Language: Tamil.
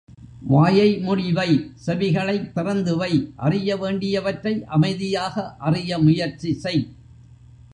வாயை மூடிவை செவிகளைத் திறந்துவை அறிய வேண்டியவற்றை அமைதியாக அறிய முயற்சி செய்.